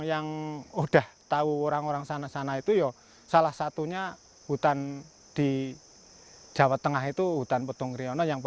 yang udah tahu orang orang sana sana itu ya salah satunya hutan di jawa tengah itu hutan petung kriyono